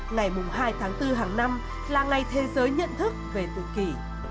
ngày hai tháng bốn hàng năm là ngày thế giới nhận thức về tự kỷ